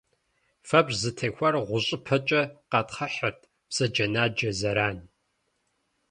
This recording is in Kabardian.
Фэбжь зытехуар гъущӏыпэкӏэ къатхъыхьырт, бзаджэнаджэ зэран.